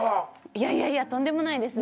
いやいやとんでもないです。